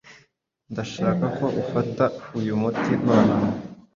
Ndashaka ko ufata uyu muti nonaha.